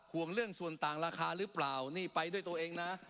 ห่วงเรื่องส่วนต่างราคาหรือเปล่านี่ไปด้วยตัวเองนะ